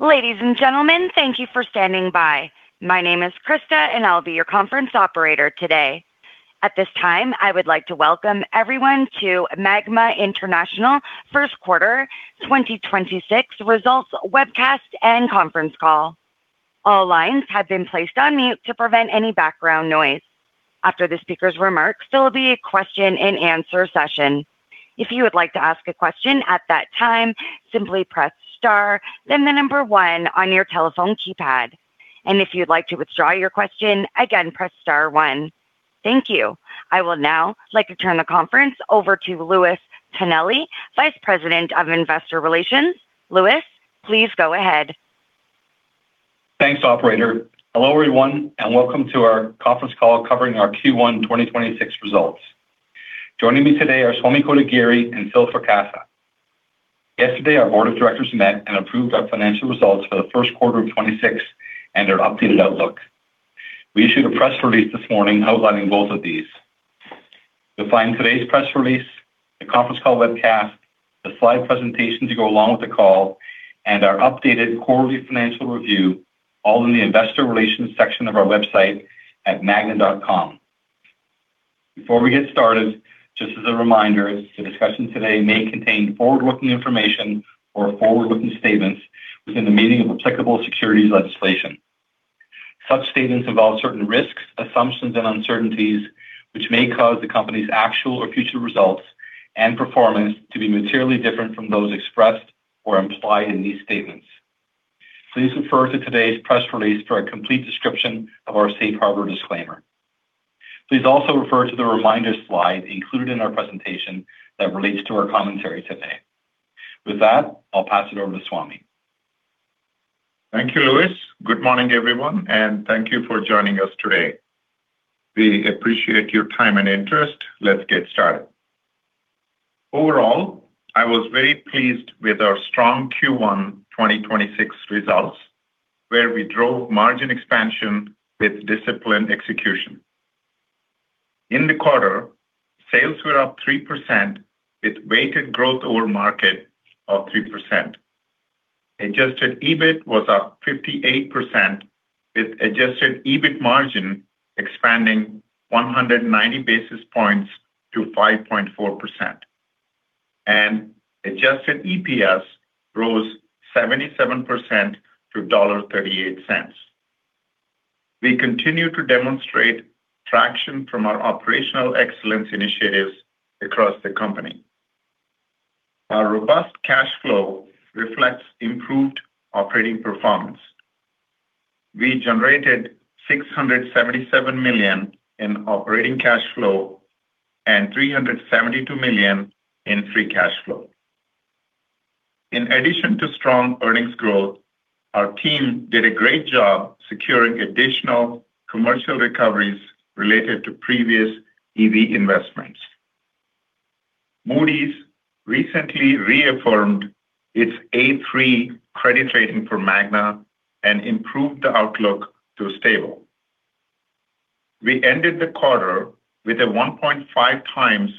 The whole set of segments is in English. Ladies and gentlemen, thank you for standing by. My name is Krista and I'll be your conference operator today. At this time, I would like to welcome everyone to Magna International Q1 2026 Results Webcast and Conference Call. All lines have been placed on mute to prevent any background noise. After the speaker's remarks, there will be a question and answer session. If you would like to ask a question at that time, simply press star then the number one on your telephone keypad. If you'd like to withdraw your question, again, press star one. Thank you. I will now like to turn the conference over to Louis Tonelli, Vice President of Investor Relations. Louis, please go ahead. Thanks, operator. Hello, everyone, and welcome to our conference call covering our Q1 2026 results. Joining me today are Swamy Kotagiri and Philip Fracassa. Yesterday, our board of directors met and approved our financial results for the Q1 of 2026 and an updated outlook. We issued a press release this morning outlining both of these. You'll find today's press release, the conference call webcast, the slide presentation to go along with the call, and our updated quarterly financial review, all in the investor relations section of our website at magna.com. Before we get started, just as a reminder, the discussion today may contain forward-looking information or forward-looking statements within the meaning of applicable securities legislation. Such statements involve certain risks, assumptions, and uncertainties which may cause the company's actual or future results and performance to be materially different from those expressed or implied in these statements. Please refer to today's press release for a complete description of our safe harbor disclaimer. Please also refer to the reminder slide included in our presentation that relates to our commentary today. With that, I'll pass it over to Swamy. Thank you, Louis. Good morning, everyone, thank you for joining us today. We appreciate your time and interest. Let's get started. Overall, I was very pleased with our strong Q1 2026 results, where we drove margin expansion with disciplined execution. In the quarter, sales were up 3% with weighted growth over market of 3%. Adjusted EBIT was up 58%, with adjusted EBIT margin expanding 190 basis points to 5.4%. Adjusted EPS rose 77% to $1.38. We continue to demonstrate traction from our operational excellence initiatives across the company. Our robust cash flow reflects improved operating performance. We generated $677 million in operating cash flow and $372 million in free cash flow. In addition to strong earnings growth, our team did a great job securing additional commercial recoveries related to previous EV investments. Moody's recently reaffirmed its A3 credit rating for Magna and improved the outlook to stable. We ended the quarter with a 1.5x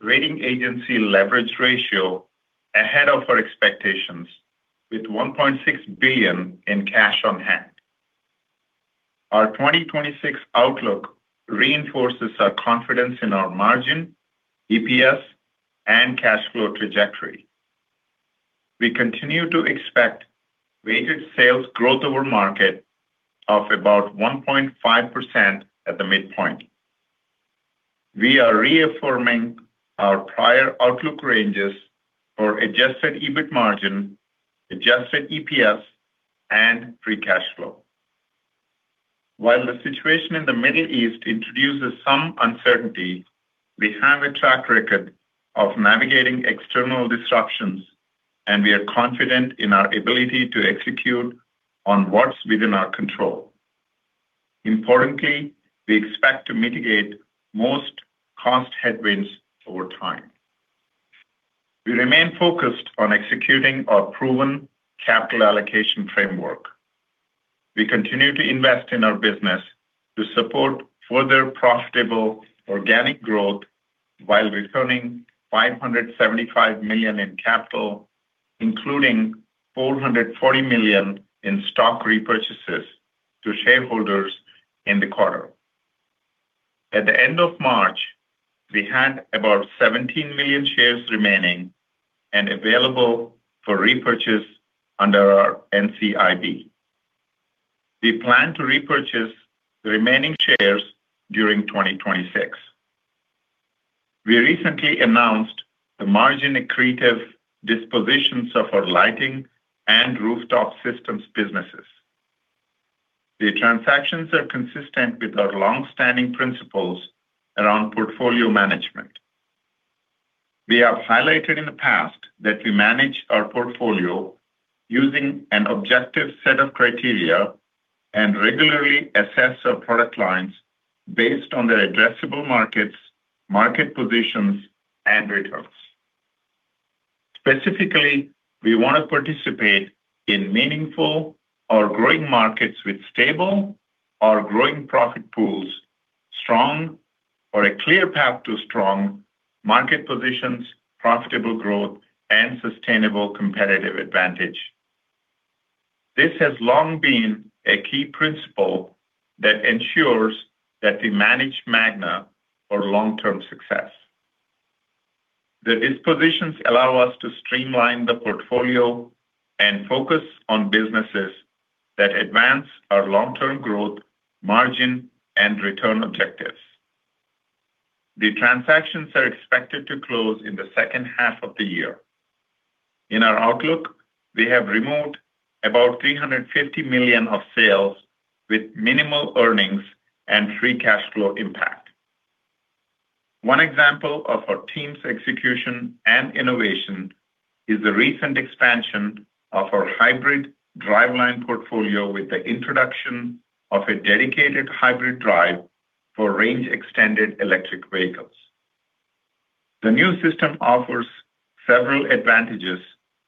rating agency leverage ratio ahead of our expectations with $1.6 billion in cash on hand. Our 2026 outlook reinforces our confidence in our margin, EPS, and cash flow trajectory. We continue to expect weighted sales growth over market of about 1.5% at the midpoint. We are reaffirming our prior outlook ranges for adjusted EBIT margin, adjusted EPS, and free cash flow. While the situation in the Middle East introduces some uncertainty, we have a track record of navigating external disruptions, and we are confident in our ability to execute on what's within our control. Importantly, we expect to mitigate most cost headwinds over time. We remain focused on executing our proven capital allocation framework. We continue to invest in our business to support further profitable organic growth while returning $575 million in capital, including $440 million in stock repurchases to shareholders in the quarter. At the end of March, we had about 17 million shares remaining and available for repurchase under our NCIB. We plan to repurchase the remaining shares during 2026. We recently announced the margin accretive dispositions of our lighting and rooftop systems businesses. The transactions are consistent with our long-standing principles around portfolio management. We have highlighted in the past that we manage our portfolio using an objective set of criteria and regularly assess our product lines based on their addressable markets, market positions, and returns. Specifically, we wanna participate in meaningful or growing markets with stable or growing profit pools, strong or a clear path to strong market positions, profitable growth, and sustainable competitive advantage. This has long been a key principle that ensures that we manage Magna for long-term success. The dispositions allow us to streamline the portfolio and focus on businesses that advance our long-term growth margin and return objectives. The transactions are expected to close in the H2 of the year. In our outlook, we have removed about $350 million of sales with minimal earnings and free cash flow impact. One example of our team's execution and innovation is the recent expansion of our hybrid driveline portfolio with the introduction of a dedicated hybrid drive for range-extended electric vehicles. The new system offers several advantages,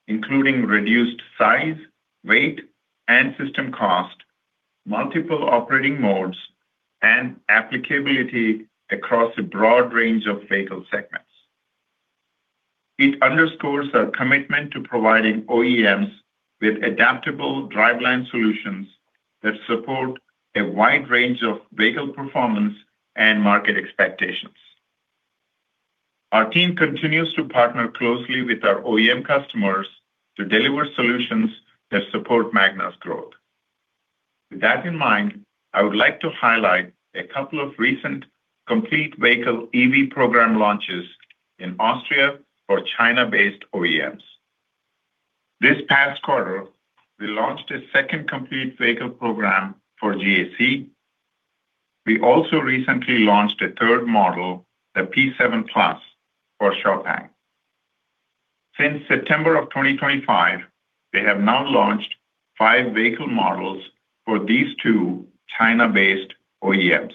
including reduced size, weight, and system cost, multiple operating modes, and applicability across a broad range of vehicle segments. It underscores our commitment to providing OEMs with adaptable driveline solutions that support a wide range of vehicle performance and market expectations. Our team continues to partner closely with our OEM customers to deliver solutions that support Magna's growth. With that in mind, I would like to highlight a couple of recent Complete Vehicle EV program launches in Austria for China-based OEMs. This past quarter, we launched a second Complete Vehicle program for GAC. We also recently launched a third model, the XPeng P7+, for Xpeng. Since September of 2025, they have now launched five vehicle models for these two China-based OEMs.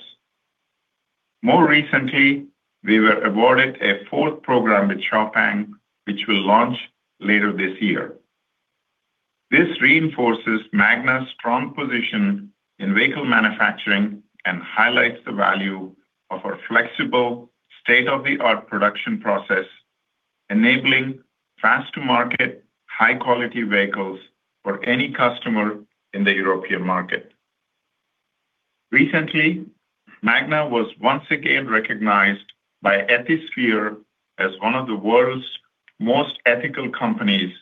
More recently, we were awarded a fourth program with Xpeng, which will launch later this year. This reinforces Magna's strong position in vehicle manufacturing and highlights the value of our flexible state-of-the-art production process, enabling fast-to-market, high quality vehicles for any customer in the European market. Recently, Magna was once again recognized by Ethisphere as one of the world's most ethical companies,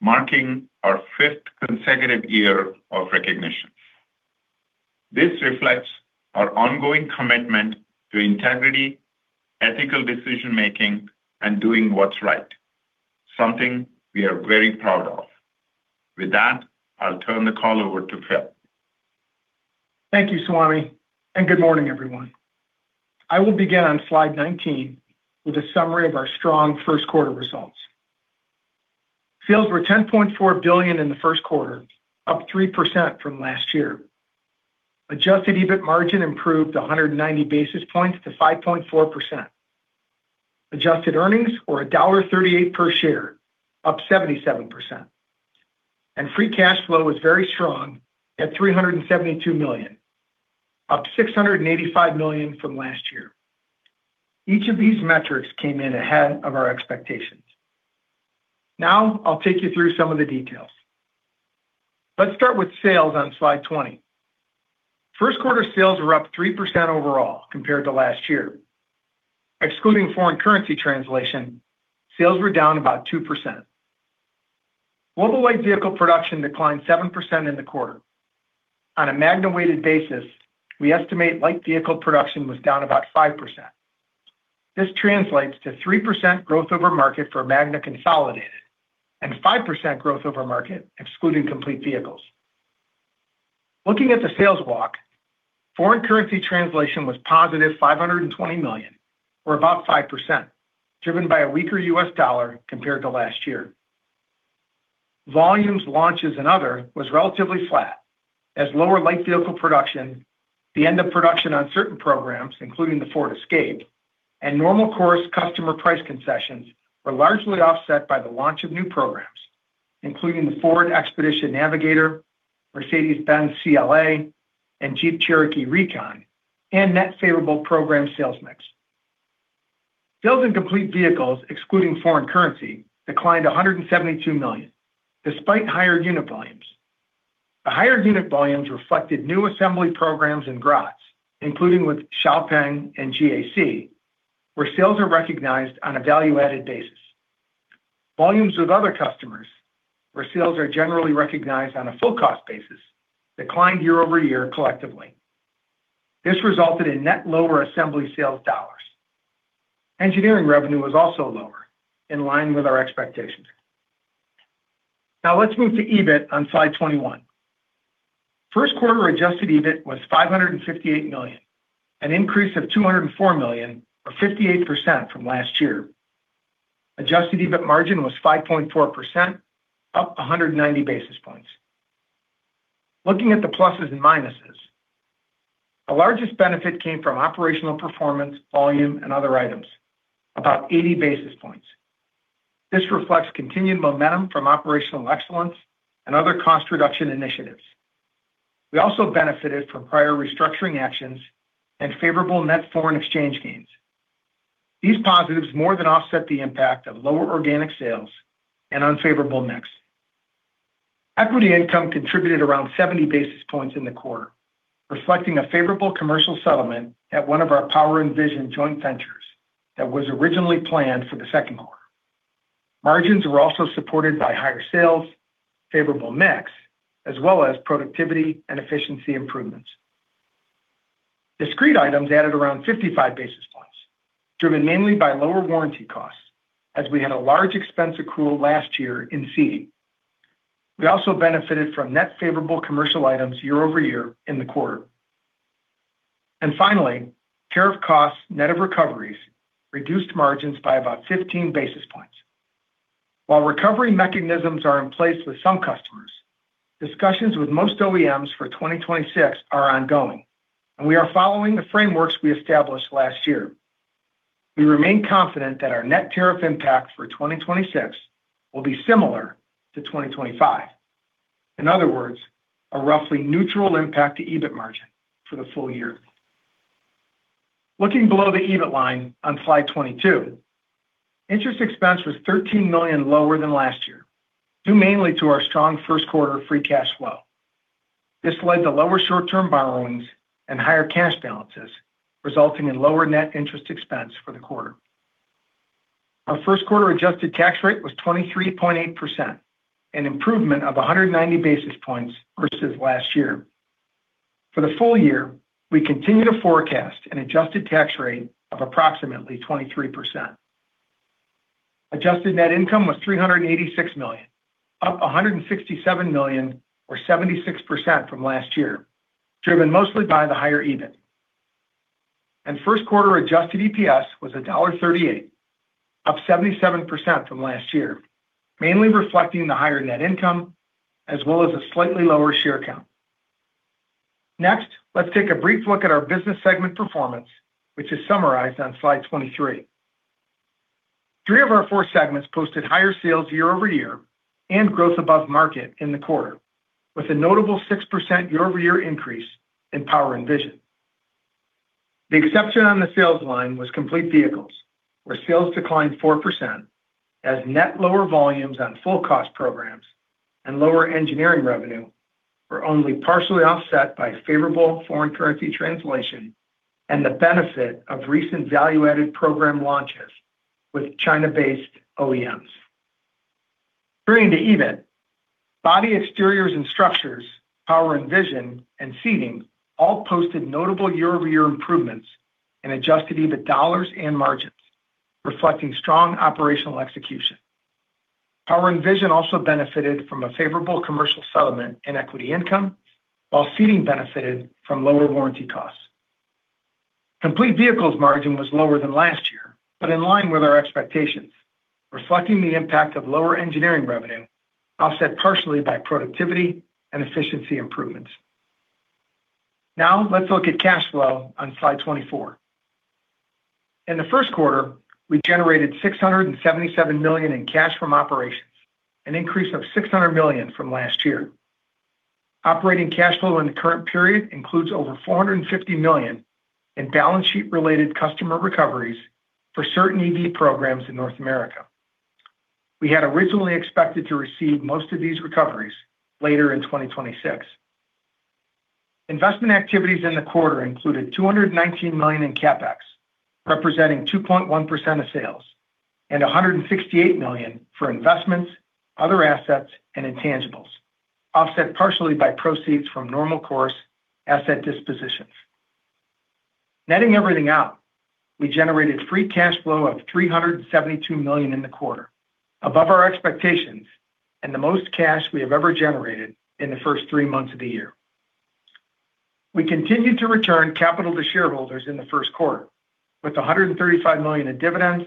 marking our fifth consecutive year of recognition. This reflects our ongoing commitment to integrity, ethical decision-making, and doing what's right, something we are very proud of. With that, I'll turn the call over to Phil. Thank you, Swamy, good morning, everyone. I will begin on slide 19 with a summary of our strong Q1 results. Sales were $10.4 billion in the Q1, up 3% from last year. Adjusted EBIT margin improved 190 basis points to 5.4%. Adjusted earnings were $1.38 per share, up 77%. Free cash flow was very strong at $372 million, up $685 million from last year. Each of these metrics came in ahead of our expectations. Now, I'll take you through some of the details. Let's start with sales on slide 20. Q1 sales were up 3% overall compared to last year. Excluding foreign currency translation, sales were down about 2%. Global light vehicle production declined 7% in the quarter. On a Magna-weighted basis, we estimate light vehicle production was down about 5%. This translates to 3% growth over market for Magna consolidated and 5% growth over market excluding Complete Vehicles. Looking at the sales walk, foreign currency translation was positive $520 million or about 5%, driven by a weaker U.S. dollar compared to last year. Volumes, launches, and other was relatively flat as lower light vehicle production, the end of production on certain programs, including the Ford Escape, and normal course customer price concessions were largely offset by the launch of new programs, including the Ford Expedition Navigator, Mercedes-Benz CLA, and Jeep Cherokee Recon, and net favorable program sales mix. Sales in Complete Vehicles, excluding foreign currency, declined $172 million despite higher unit volumes. The higher unit volumes reflected new assembly programs in Graz, including with XPeng and GAC, where sales are recognized on a value-added basis. Volumes with other customers, where sales are generally recognized on a full cost basis, declined year-over-year collectively. This resulted in net lower assembly sales dollars. Engineering revenue was also lower, in line with our expectations. Let's move to EBIT on slide 21. Q1 adjusted EBIT was $558 million, an increase of $204 million, or 58% from last year. Adjusted EBIT margin was 5.4%, up 190 basis points. Looking at the pluses and minuses, the largest benefit came from operational performance, volume, and other items, about 80 basis points. This reflects continued momentum from operational excellence and other cost reduction initiatives. We also benefited from prior restructuring actions and favorable net foreign exchange gains. These positives more than offset the impact of lower organic sales and unfavorable mix. Equity income contributed around 70 basis points in the quarter, reflecting a favorable commercial settlement at one of our Power & Vision joint ventures that was originally planned for the Q2. Margins were also supported by higher sales, favorable mix, as well as productivity and efficiency improvements. Discrete items added around 55 basis points, driven mainly by lower warranty costs, as we had a large expense accrual last year in seating. We also benefited from net favorable commercial items year-over-year in the quarter. Finally, tariff costs net of recoveries reduced margins by about 15 basis points. While recovery mechanisms are in place with some customers, discussions with most OEMs for 2026 are ongoing, and we are following the frameworks we established last year. We remain confident that our net tariff impact for 2026 will be similar to 2025. In other words, a roughly neutral impact to EBIT margin for the full year. Looking below the EBIT line on Slide 22, interest expense was $13 million lower than last year, due mainly to our strong Q1 free cash flow. This led to lower short-term borrowings and higher cash balances, resulting in lower net interest expense for the quarter. OurQ1 adjusted tax rate was 23.8%, an improvement of 190 basis points versus last year. For the full year, we continue to forecast an adjusted tax rate of approximately 23%. Adjusted net income was $386 million, up $167 million or 76% from last year, driven mostly by the higher EBIT. Q1 adjusted EPS was $1.38, up 77% from last year, mainly reflecting the higher net income as well as a slightly lower share count. Next, let's take a brief look at our business segment performance, which is summarized on Slide 23. Three of our four segments posted higher sales year-over-year and growth above market in the quarter, with a notable 6% year-over-year increase in Power & Vision. The exception on the sales line was Complete Vehicles, where sales declined 4% as net lower volumes on full cost programs and lower engineering revenue were only partially offset by favorable foreign currency translation and the benefit of recent value-added program launches with China-based OEMs. Turning to EBIT, Body Exteriors & Structures, Power & Vision, and Seating all posted notable year-over-year improvements in adjusted EBIT dollars and margins, reflecting strong operational execution. Power & Vision also benefited from a favorable commercial settlement in equity income, while Seating benefited from lower warranty costs. Complete Vehicles margin was lower than last year, but in line with our expectations, reflecting the impact of lower engineering revenue offset partially by productivity and efficiency improvements. Now let's look at cash flow on Slide 24. In the Q1, we generated $677 million in cash from operations, an increase of $600 million from last year. Operating cash flow in the current period includes over $450 million in balance sheet-related customer recoveries for certain EV programs in North America. We had originally expected to receive most of these recoveries later in 2026. Investment activities in the quarter included $219 million in CapEx, representing 2.1% of sales, and $168 million for investments, other assets, and intangibles, offset partially by proceeds from normal course asset dispositions. Netting everything out, we generated free cash flow of $372 million in the quarter, above our expectations and the most cash we have ever generated in the first three months of the year. We continued to return capital to shareholders in the Q1 with $135 million in dividends,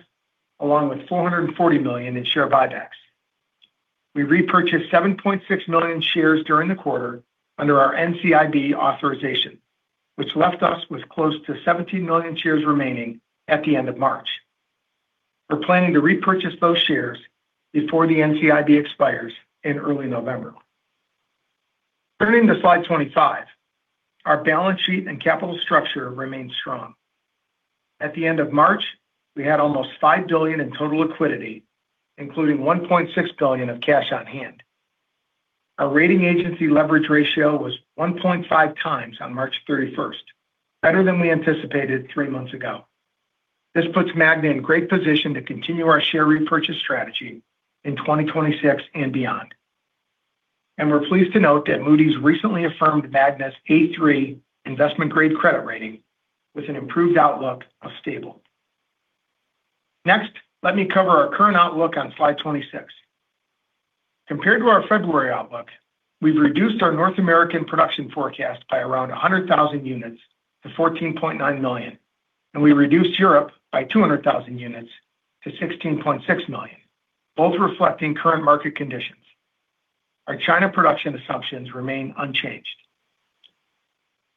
along with $440 million in share buybacks. We repurchased 7.6 million shares during the quarter under our NCIB authorization, which left us with close to 17 million shares remaining at the end of March. We're planning to repurchase those shares before the NCIB expires in early November. Turning to Slide 25, our balance sheet and capital structure remain strong. At the end of March, we had almost 5 billion in total liquidity, including 1.6 billion of cash on hand. Our rating agency leverage ratio was 1.5x on March 31st, better than we anticipated three months ago. This puts Magna in great position to continue our share repurchase strategy in 2026 and beyond. We're pleased to note that Moody's recently affirmed Magna's A3 investment grade credit rating with an improved outlook of stable. Next, let me cover our current outlook on Slide 26. Compared to our February outlook, we've reduced our North American production forecast by around 100,000 units to 14.9 million, and we reduced Europe by 200,000 units to 16.6 million, both reflecting current market conditions. Our China production assumptions remain unchanged.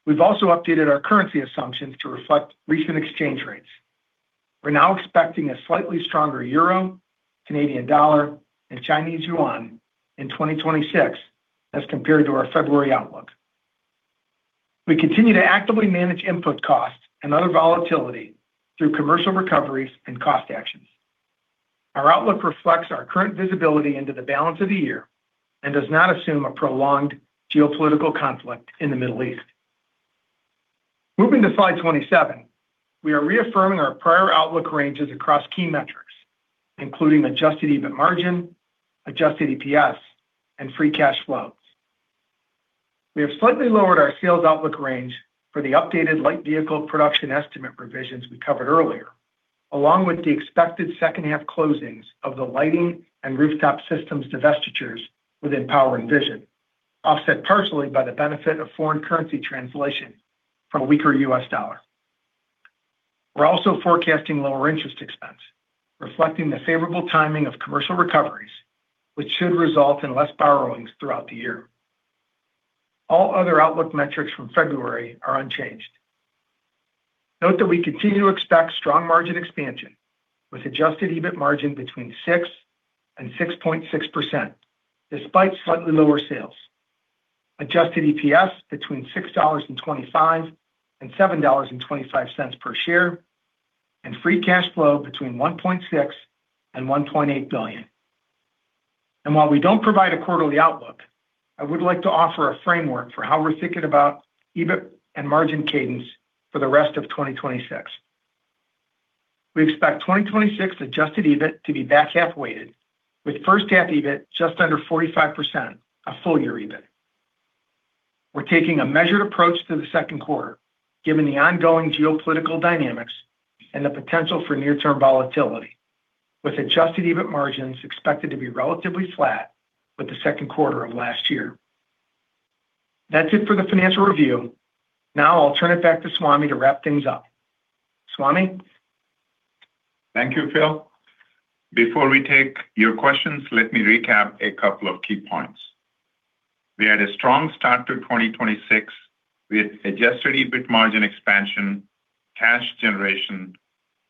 We've also updated our currency assumptions to reflect recent exchange rates. We're now expecting a slightly stronger euro, Canadian dollar, and Chinese yuan in 2026 as compared to our February outlook. We continue to actively manage input costs and other volatility through commercial recoveries and cost actions. Our outlook reflects our current visibility into the balance of the year and does not assume a prolonged geopolitical conflict in the Middle East. Moving to slide 27. We are reaffirming our prior outlook ranges across key metrics, including adjusted EBIT margin, adjusted EPS, and free cash flows. We have slightly lowered our sales outlook range for the updated light vehicle production estimate revisions we covered earlier, along with the expected H2 closings of the lighting and rooftop systems divestitures within Power & Vision, offset partially by the benefit of foreign currency translation from a weaker U.S. dollar. We're also forecasting lower interest expense, reflecting the favorable timing of commercial recoveries, which should result in less borrowings throughout the year. All other outlook metrics from February are unchanged. Note that we continue to expect strong margin expansion with adjusted EBIT margin between 6% and 6.6% despite slightly lower sales. Adjusted EPS between $6.25 and $7.25 per share, and free cash flow between $1.6 billion and $1.8 billion. While we don't provide a quarterly outlook, I would like to offer a framework for how we're thinking about EBIT and margin cadence for the rest of 2026. We expect 2026 adjusted EBIT to be back half weighted, with H1 EBIT just under 45% of full year EBIT. We're taking a measured approach to the Q2, given the ongoing geopolitical dynamics and the potential for near-term volatility, with adjusted EBIT margins expected to be relatively flat with the Q2 of last year. That's it for the financial review. Now I'll turn it back to Swamy to wrap things up. Swamy Kotagiri? Thank you, Phil Fracassa. Before we take your questions, let me recap a couple of key points. We had a strong start to 2026 with adjusted EBIT margin expansion, cash generation,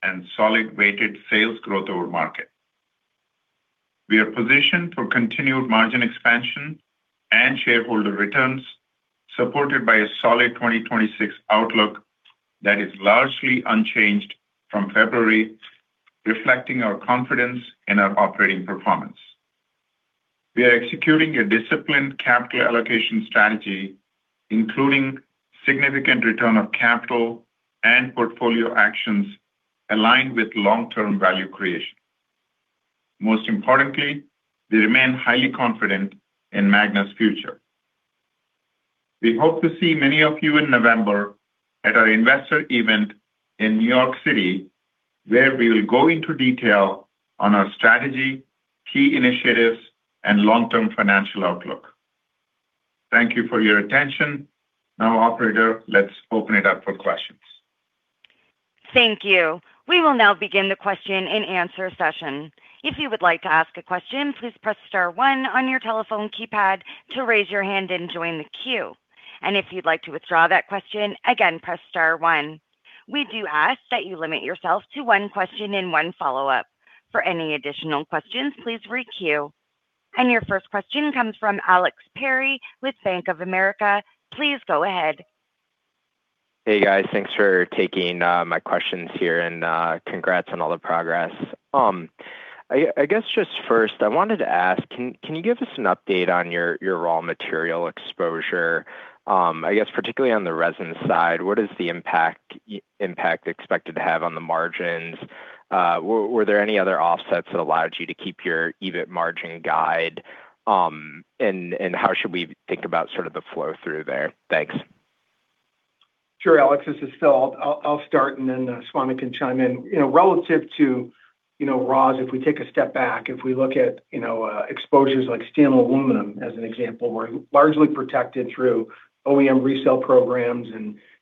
and solid weighted sales growth over market. We are positioned for continued margin expansion and shareholder returns, supported by a solid 2026 outlook that is largely unchanged from February, reflecting our confidence in our operating performance. We are executing a disciplined capital allocation strategy, including significant return of capital and portfolio actions aligned with long-term value creation. Most importantly, we remain highly confident in Magna's future. We hope to see many of you in November at our investor event in New York City, where we will go into detail on our strategy, key initiatives, and long-term financial outlook. Thank you for your attention. Now, operator, let's open it up for questions. Thank you. We will now begin the question-and-answer session. If you would like to ask a question, please press star one on your telephone keypad to raise your hand and join the queue. If you'd like to withdraw that question, again, press star one. We do ask that you limit yourself to one question and one follow-up. For any additional questions, please re-queue. Your first question comes from Alexander Perry with Bank of America. Please go ahead. Hey, guys. Thanks for taking my questions here and congrats on all the progress. I guess just first I wanted to ask, can you give us an update on your raw material exposure, I guess particularly on the resin side. What is the impact expected to have on the margins? Were there any other offsets that allowed you to keep your EBIT margin guide? How should we think about sort of the flow through there? Thanks. Sure, Alex, this is Phil Fracassa. I'll start and then Swamy Kotagiri can chime in. You know, relative to, you know, raws, if we take a step back, if we look at, you know, exposures like steel and aluminum as an example, we're largely protected through OEM resale programs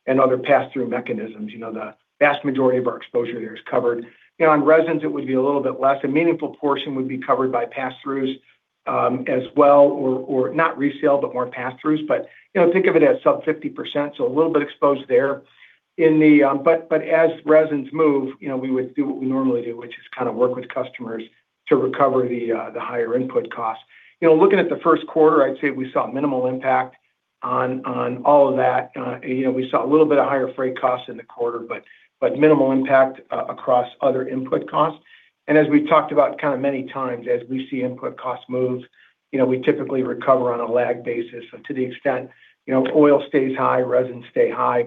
and other pass-through mechanisms. You know, the vast majority of our exposure there is covered. You know, on resins it would be a little bit less. A meaningful portion would be covered by pass-throughs as well or not resale, but more pass-throughs. You know, think of it as sub 50%, so a little bit exposed there in the. As resins move, you know, we would do what we normally do, which is kind of work with customers to recover the higher input costs. You know, looking at the Q1, I'd say we saw minimal impact on all of that. You know, we saw a little bit of higher freight costs in the quarter, but minimal impact across other input costs. As we talked about kind of many times, as we see input costs move, you know, we typically recover on a lag basis. To the extent, you know, oil stays high, resins stay high,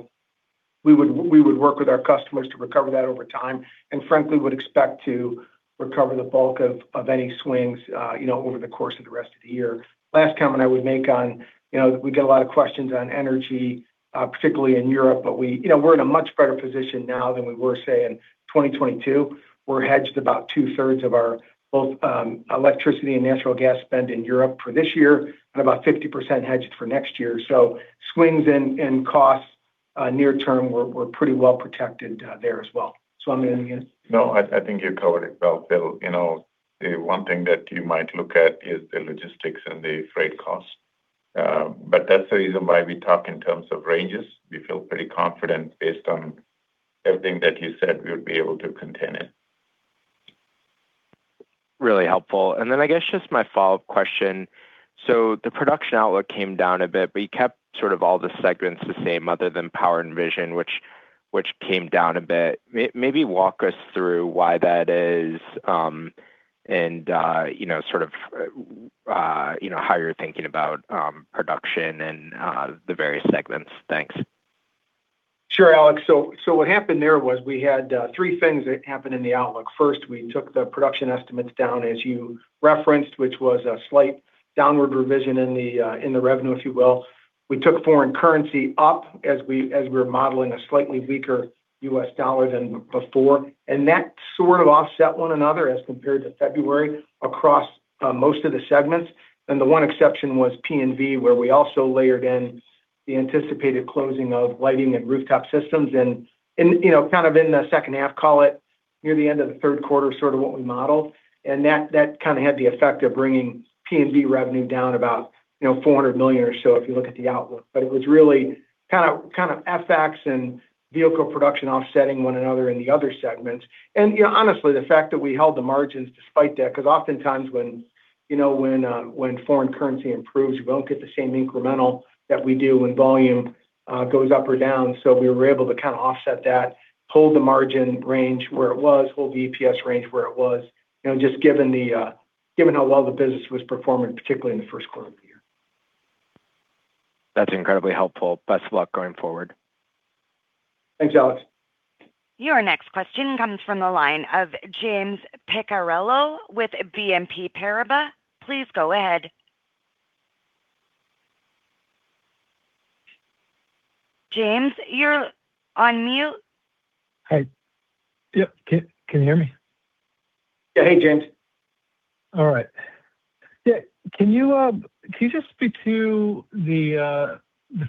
we would work with our customers to recover that over time, and frankly, would expect to recover the bulk of any swings, you know, over the course of the rest of the year. Last comment I would make on, you know, we get a lot of questions on energy, particularly in Europe, but we, you know, we're in a much better position now than we were, say, in 2022. We're hedged about 2/3 of our both electricity and natural gas spend in Europe for this year and about 50% hedged for next year. Swings in costs, near term, we're pretty well protected there as well. Swamy, anything to add? No, I think you covered it well, Phil. You know, the one thing that you might look at is the logistics and the freight costs. That's the reason why we talk in terms of ranges. We feel pretty confident based on everything that you said we would be able to contain it. Really helpful. I guess just my follow-up question. The production outlook came down a bit, but you kept all the segments the same other than Power & Vision, which came down a bit. Maybe walk us through why that is, and how you're thinking about production and the various segments. Thanks. Sure, Alex. What happened there was we had three things that happened in the outlook. First, we took the production estimates down as you referenced, which was a slight downward revision in the revenue, if you will. We took foreign currency up as we're modeling a slightly weaker U.S. dollar than before. That sort of offset one another as compared to February across most of the segments. The one exception was P&V, where we also layered in the anticipated closing of lighting and rooftop systems and in, you know, kind of in the H2, call it near the end of the Q3, sort of what we modeled. That kind of had the effect of bringing P&V revenue down about, you know, $400 million or so if you look at the outlook. It was really kind of FX and vehicle production offsetting one another in the other segments. You know, honestly, the fact that we held the margins despite that, 'cause oftentimes when, you know, when foreign currency improves, you won't get the same incremental that we do when volume goes up or down. We were able to kind of offset that, hold the margin range where it was, hold the EPS range where it was, you know, just given the given how well the business was performing, particularly in the Q1 of the year. That's incredibly helpful. Best of luck going forward. Thanks, Alex. Your next question comes from the line of James Picariello with BNP Paribas. Please go ahead. James, you're on mute. Hey. Yep. Can you hear me? Yeah. Hey, James. All right. Yeah. Can you just speak to the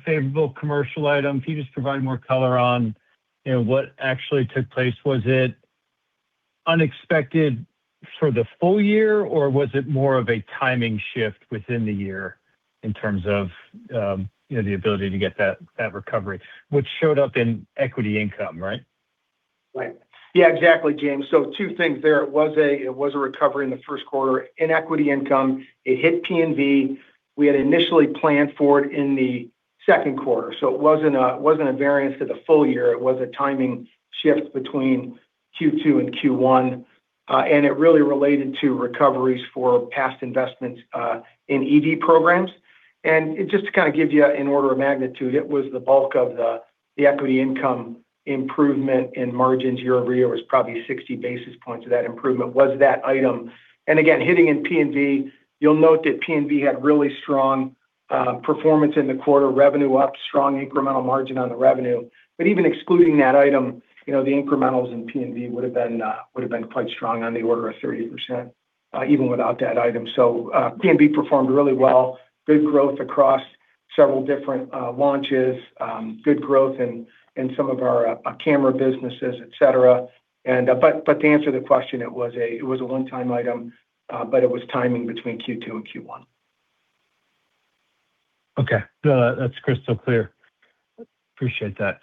favorable commercial item? Can you just provide more color on, you know, what actually took place? Was it unexpected for the full year, or was it more of a timing shift within the year in terms of, you know, the ability to get that recovery, which showed up in equity income, right? Right. Yeah, exactly, James. Two things there. It was a recovery in the Q1. In equity income, it hit P&V. We had initially planned for it in the Q2. It wasn't a variance to the full year. It was a timing shift between Q2 and Q1. It really related to recoveries for past investments in EV programs. Just to kind of give you an order of magnitude, it was the bulk of the equity income improvement in margins year-over-year was probably 60 basis points of that improvement was that item. Again, hitting in P&V, you'll note that P&V had really strong performance in the quarter, revenue up, strong incremental margin on the revenue. Even excluding that item, you know, the incrementals in P&V would've been quite strong on the order of 30% even without that item. P&V performed really well, good growth across several different launches, good growth in some of our camera businesses, et cetera. But to answer the question, it was a one-time item, but it was timing between Q2 and Q1. Okay. That's crystal clear. Appreciate that.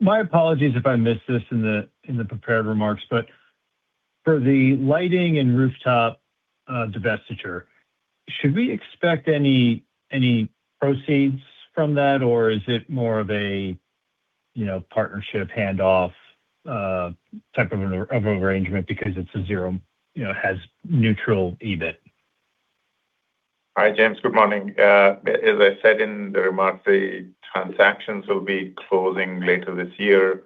My apologies if I missed this in the prepared remarks, for the lighting and rooftop divestiture, should we expect any proceeds from that, or is it more of a, you know, partnership handoff type of an arrangement because it's a zero, you know, has neutral EBIT? Hi, James. Good morning. As I said in the remarks, the transactions will be closing later this year,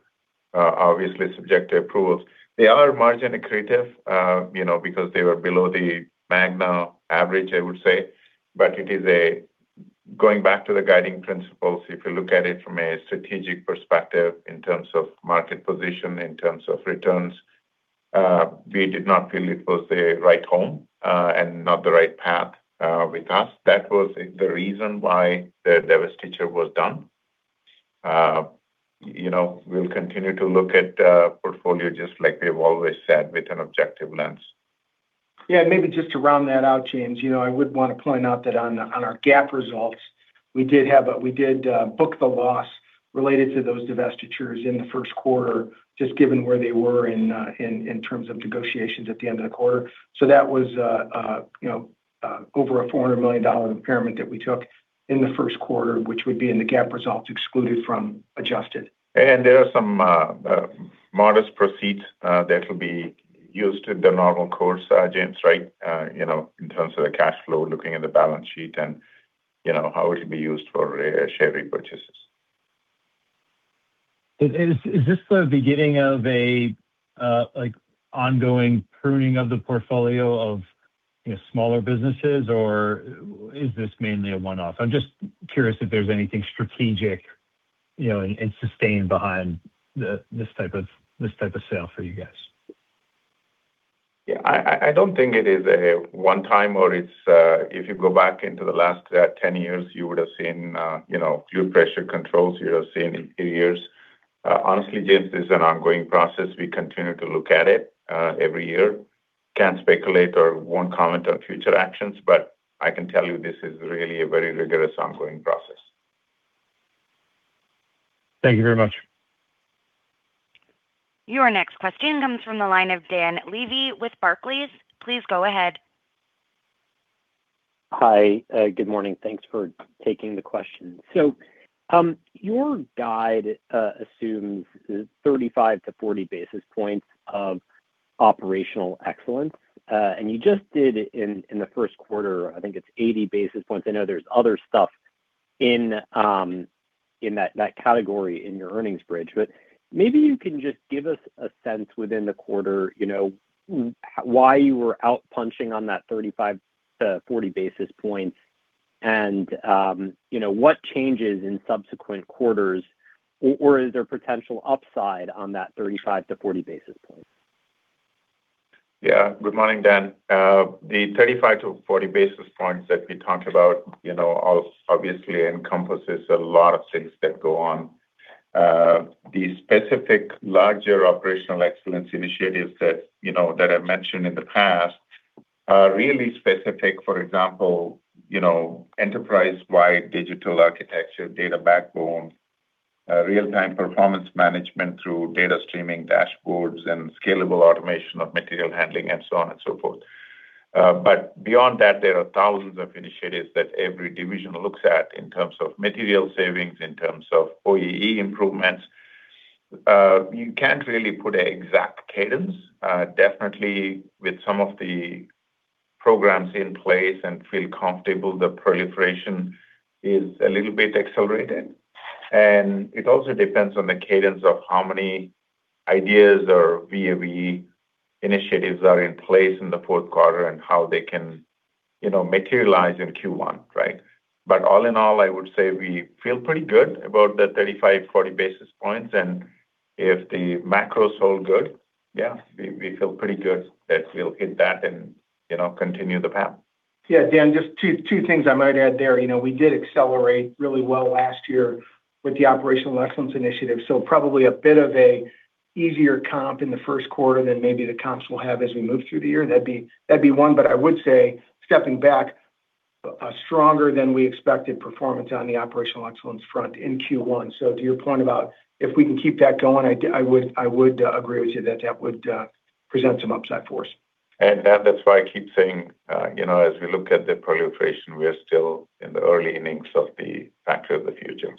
obviously subject to approvals. They are margin accretive, you know, because they were below the Magna average, I would say. Going back to the guiding principles, if you look at it from a strategic perspective in terms of market position, in terms of returns, we did not feel it was the right home and not the right path with us. That was the reason why the divestiture was done. You know, we'll continue to look at the portfolio just like we've always said with an objective lens. Yeah. Maybe just to round that out, James, you know, I would want to point out that on our GAAP results, we did book the loss related to those divestitures in the Q1, just given where they were in terms of negotiations at the end of the quarter. That was, you know, over a $400 million impairment that we took in the Q1, which would be in the GAAP results excluded from adjusted. There are some modest proceeds that will be used in the normal course, James, right? You know, in terms of the cash flow, looking at the balance sheet and, you know, how it will be used for share repurchases. Is this the beginning of a like ongoing pruning of the portfolio of, you know, smaller businesses, or is this mainly a one-off? I'm just curious if there's anything strategic, you know, and sustained behind this type of sale for you guys. Yeah. I don't think it is a one-time or it's, if you go back into the last 10 years, you would have seen, you know, fuel pressure controls. You would have seen in years. Honestly, James, this is an ongoing process. We continue to look at it every year. Can't speculate or won't comment on future actions, but I can tell you this is really a very rigorous ongoing process. Thank you very much. Your next question comes from the line of Dan Levy with Barclays. Please go ahead. Hi. Good morning. Thanks for taking the question. Your guide assumes 35 basis points-40 basis points of operational excellence. You just did in the Q1, I think it's 80 basis points. I know there's other stuff in that category in your earnings bridge. Maybe you can just give us a sense within the quarter, you know, why you were out punching on that 35 basis points-40 basis points and, you know, what changes in subsequent quarters, or is there potential upside on that 35 basis points-40 basis points? Good morning, Dan. The 35 basis points-40 basis points that we talked about obviously encompasses a lot of things that go on. The specific larger operational excellence initiatives that I've mentioned in the past are really specific. For example, enterprise-wide digital architecture, data backbone, real-time performance management through data streaming dashboards and scalable automation of material handling and so on and so forth. Beyond that, there are thousands of initiatives that every division looks at in terms of material savings, in terms of OEE improvements. You can't really put an exact cadence. Definitely with some of the programs in place and feel comfortable, the proliferation is a little bit accelerated. It also depends on the cadence of how many ideas or VA/VE initiatives are in place in the Q4 and how they can, you know, materialize in Q1, right? All in all, I would say we feel pretty good about the 35 basis points-40 basis points. If the macros hold good, yeah, we feel pretty good that we'll hit that and, you know, continue the path. Yeah. Dan, just two things I might add there. You know, we did accelerate really well last year with the operational excellence initiative, so probably a bit of a easier comp in the Q1 than maybe the comps we'll have as we move through the year. That'd be one. I would say, stepping back, a stronger than we expected performance on the operational excellence front in Q1. To your point about if we can keep that going, I would agree with you that that would present some upside for us. That's why I keep saying, you know, as we look at the proliferation, we are still in the early innings of the factory of the future.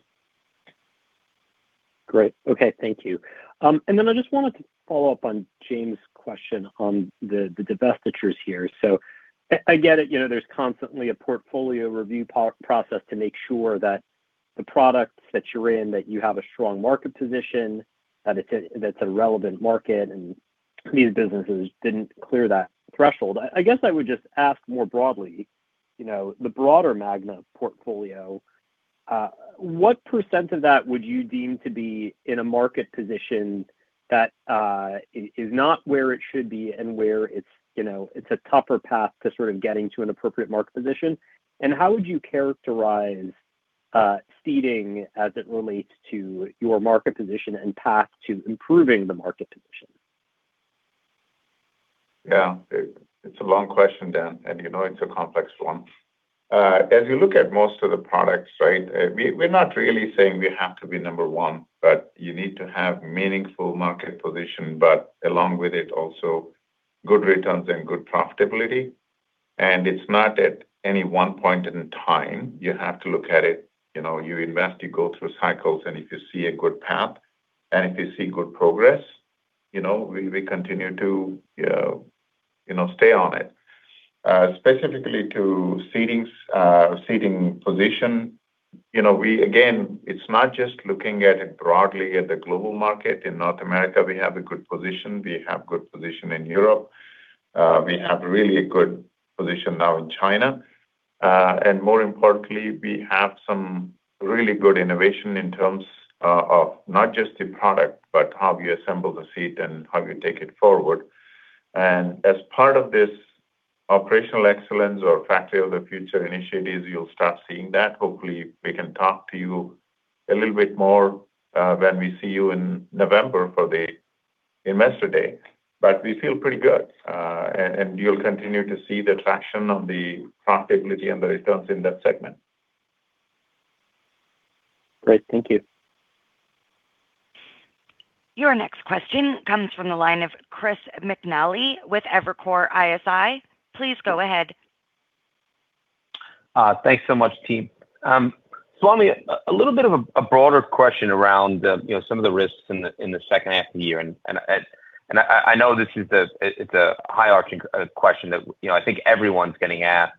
Great. Okay. Thank you. Then I just wanted to follow up on James' question on the divestitures here. I get it, you know, there's constantly a portfolio review process to make sure that the products that you're in, that you have a strong market position, that's a relevant market these businesses didn't clear that threshold. I guess I would just ask more broadly, you know, the broader Magna portfolio, what percent of that would you deem to be in a market position that is not where it should be and where it's, you know, it's a tougher path to sort of getting to an appropriate market position? How would you characterize Seating as it relates to your market position and path to improving the market position? Yeah. It, it's a long question, Dan Levy, and you know it's a complex one. As you look at most of the products, right, we're not really saying we have to be number one, but you need to have meaningful market position, but along with it also good returns and good profitability. It's not at any one point in time. You have to look at it, you know, you invest, you go through cycles, and if you see a good path and if you see good progress, you know, we continue to, you know, stay on it. Specifically to seating position, you know, Again, it's not just looking at it broadly at the global market. In North America, we have a good position. We have good position in Europe. We have really a good position now in China. More importantly, we have some really good innovation in terms of not just the product, but how we assemble the seat and how we take it forward. As part of this operational excellence or factory of the future initiatives, you'll start seeing that. Hopefully, we can talk to you a little bit more when we see you in November for the Investor Day. We feel pretty good, and you'll continue to see the traction on the profitability and the returns in that segment. Great. Thank you. Your next question comes from the line of Chris McNally with Evercore ISI. Please go ahead. Thanks so much, team. Swamy, a little bit of a broader question around, you know, some of the risks in the H2 of the year. I know this is a high-arching question that, you know, I think everyone's getting asked.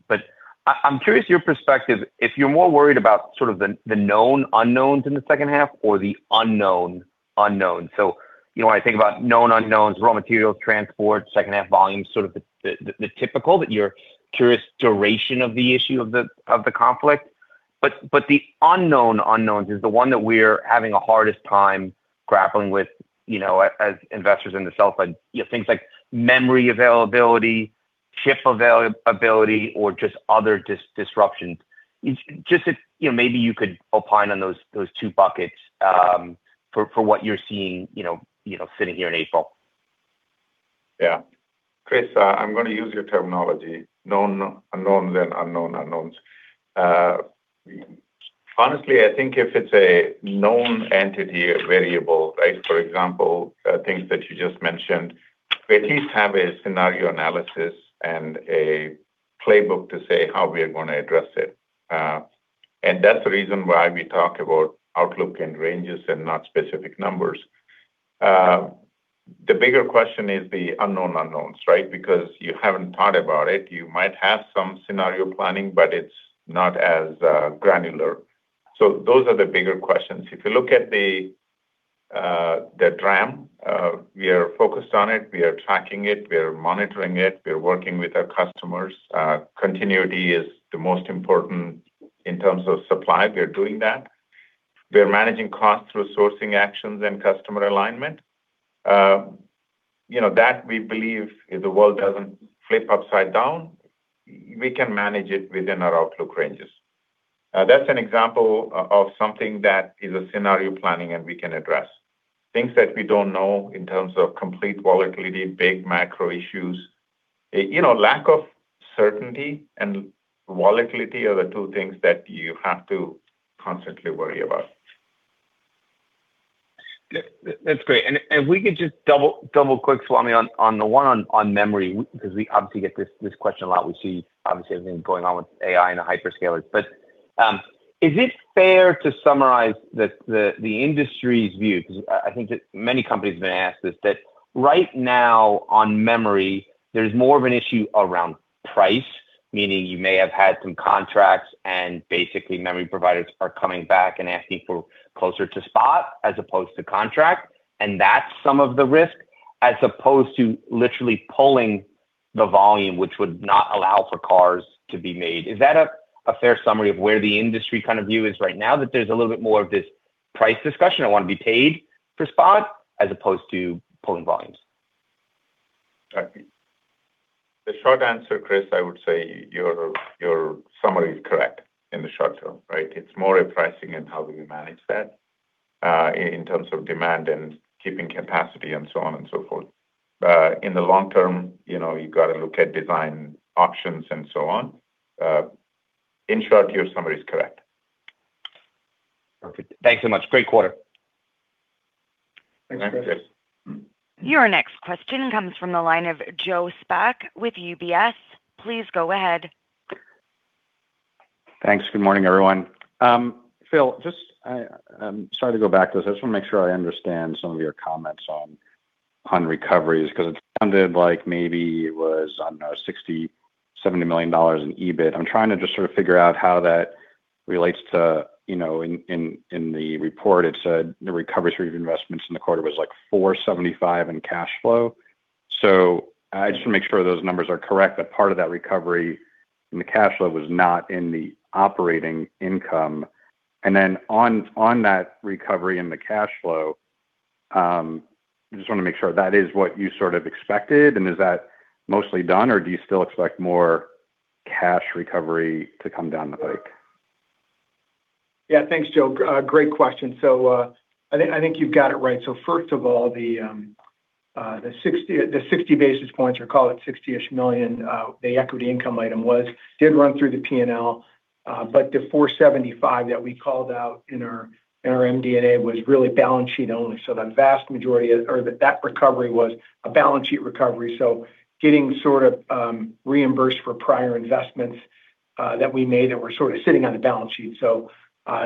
I'm curious your perspective if you're more worried about sort of the known unknowns in the H2 or the unknown unknowns. You know, when I think about known unknowns, raw materials, transport, H2 volumes, sort of the typical that you're curious duration of the issue of the conflict. The unknown unknowns is the one that we're having the hardest time grappling with, you know, as investors in the self. You know, things like memory availability or just other disruptions. It's just if, you know, maybe you could opine on those two buckets, for what you're seeing, you know, sitting here in April. Yeah. Chris, I'm gonna use your terminology, known unknowns and unknown unknowns. Honestly, I think if it's a known entity or variable, right? For example, things that you just mentioned, we at least have a scenario analysis and a playbook to say how we are gonna address it. That's the reason why we talk about outlook and ranges and not specific numbers. The bigger question is the unknown unknowns, right? Because you haven't thought about it. You might have some scenario planning, but it's not as granular. Those are the bigger questions. If you look at the DRAM, we are focused on it. We are tracking it. We are monitoring it. We are working with our customers. Continuity is the most important in terms of supply. We are doing that. We are managing costs through sourcing actions and customer alignment. You know, that we believe if the world doesn't flip upside down, we can manage it within our outlook ranges. That's an example of something that is a scenario planning and we can address. Things that we don't know in terms of complete volatility, big macro issues. You know, lack of certainty and volatility are the two things that you have to constantly worry about. Yeah. That's great. If we could just double-click, Swamy, on the one on memory because we obviously get this question a lot. We see obviously everything going on with AI and the hyperscalers. Is it fair to summarize the industry's view? I think that many companies have been asked this, that right now on memory there's more of an issue around price, meaning you may have had some contracts and basically memory providers are coming back and asking for closer to spot as opposed to contract, and that's some of the risk, as opposed to literally pulling the volume, which would not allow for cars to be made. Is that a fair summary of where the industry kind of view is right now, that there's a little bit more of this price discussion, I wanna be paid for spot, as opposed to pulling volumes? The short answer, Chris, I would say your summary is correct in the short term, right? It's more in pricing and how do we manage that in terms of demand and keeping capacity and so on and so forth. In the long term, you know, you gotta look at design options and so on. In short, your summary is correct. Perfect. Thanks so much. Great quarter. Thanks, Chris. Your next question comes from the line of Joe Spak with UBS. Please go ahead. Thanks. Good morning, everyone. Phil, just, I'm sorry to go back to this. I just wanna make sure I understand some of your comments on recoveries, 'cause it sounded like maybe it was, I don't know, $60 million, $70 million in EBIT. I'm trying to just sort of figure out how that relates to, you know, in the report it said the recovery sort of investments in the quarter was like $475 in cash flow. I just wanna make sure those numbers are correct, that part of that recovery in the cash flow was not in the operating income. On that recovery in the cash flow, just wanna make sure that is what you sort of expected, and is that mostly done or do you still expect more cash recovery to come down the pike? Yeah. Thanks, Joe. Great question. I think you've got it right. First of all, the 60 basis points, or call it 60-ish million, the equity income item was did run through the P&L. The 475 that we called out in our MD&A was really balance sheet only. The vast majority of that recovery was a balance sheet recovery, so getting sort of reimbursed for prior investments that we made that were sort of sitting on the balance sheet.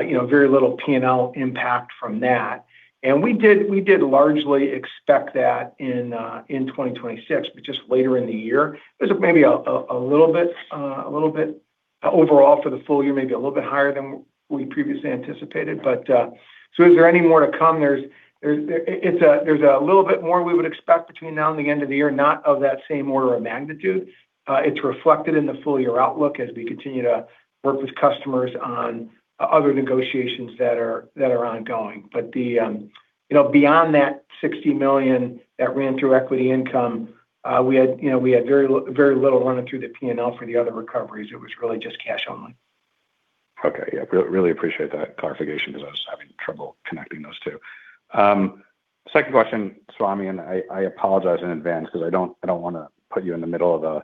You know, very little P&L impact from that. We did largely expect that in 2026, just later in the year. There's maybe a little bit, a little bit overall for the full year, maybe a little bit higher than we previously anticipated. Is there any more to come? There's a little bit more we would expect between now and the end of the year, not of that same order of magnitude. It's reflected in the full year outlook as we continue to work with customers on other negotiations that are ongoing. The, you know, beyond that $60 million that ran through equity income, we had, you know, we had very little running through the P&L for the other recoveries. It was really just cash only. Yeah, really appreciate that clarification because I was having trouble connecting those two. Second question, Swamy, and I apologize in advance because I don't wanna put you in the middle of a,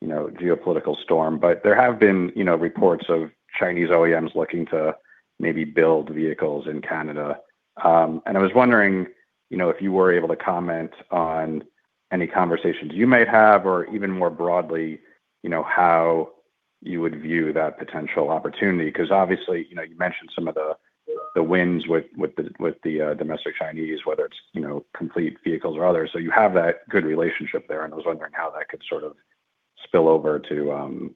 you know, geopolitical storm. There have been, you know, reports of Chinese OEMs looking to maybe build vehicles in Canada. I was wondering, you know, if you were able to comment on any conversations you might have, or even more broadly, you know, how you would view that potential opportunity. 'Because obviously, you know, you mentioned some of the wins with the domestic Chinese, whether it's, you know, Complete Vehicles or others. You have that good relationship there, and I was wondering how that could sort of spill over to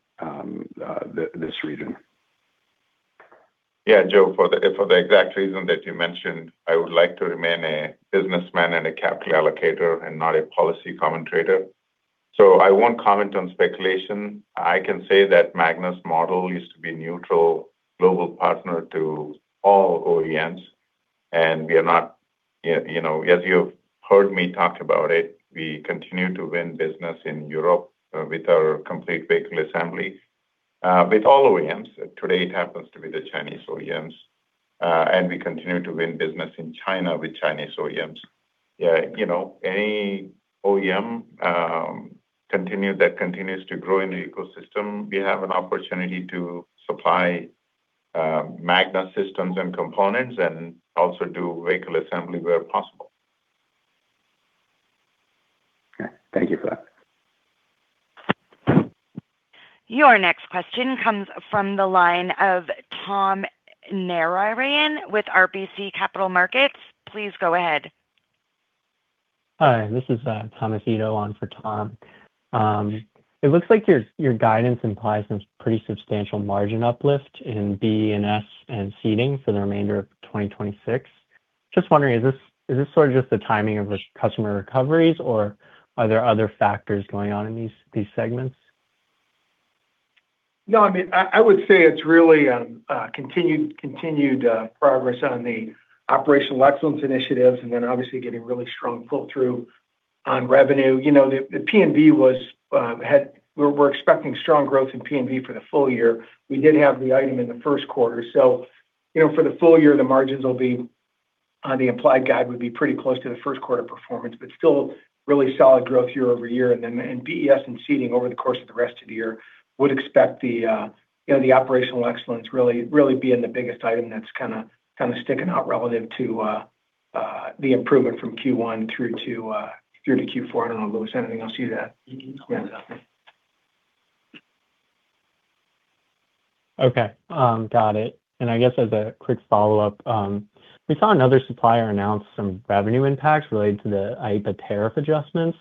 this region. Joe, for the exact reason that you mentioned, I would like to remain a businessman and a capital allocator and not a policy commentator. I won't comment on speculation. I can say that Magna's Model is to be neutral global partner to all OEMs. We are not, you know, as you've heard me talk about it, we continue to win business in Europe with our complete vehicle assembly. With all OEMs. Today it happens to be the Chinese OEMs. We continue to win business in China with Chinese OEMs. You know, any OEM that continues to grow in the ecosystem, we have an opportunity to supply Magna systems and components and also do vehicle assembly where possible. Okay. Thank you for that. Your next question comes from the line of Tom Narayan with RBC Capital Markets. Please go ahead. Hi, this is Thomas Ito on for Tom. It looks like your guidance implies some pretty substantial margin uplift in BES and Seating for the remainder of 2026. Just wondering, is this sort of just the timing of the customer recoveries, or are there other factors going on in these segments? No, I mean, I would say it's really continued progress on the operational excellence initiatives and then obviously getting really strong pull-through on revenue. You know, the P&V was, we're expecting strong growth in P&V for the full year. We did have the item in the Q1. You know, for the full year, the margins will be on the implied guide would be pretty close to the Q1 performance, but still really solid growth year-over-year. BES and Seating over the course of the rest of the year would expect the, you know, the operational excellence really being the biggest item that's kind of sticking out relative to the improvement from Q1 through to Q4. I don't know, Louis, anything else to that? Okay. Got it. I guess as a quick follow-up, we saw another supplier announce some revenue impacts related to the IEEPA tariff adjustments.